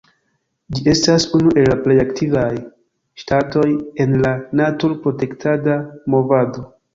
Ĝi estas unu el la plej aktivaj ŝtatoj en la natur-protektada movado.